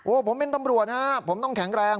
ผมเป็นตำรวจฮะผมต้องแข็งแรง